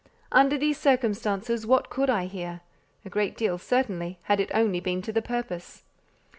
Under these circumstances, what could I hear? A great deal, certainly; had it only been to the purpose.